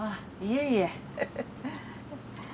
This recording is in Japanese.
いえいえ。